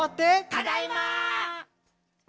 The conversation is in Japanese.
「ただいま！」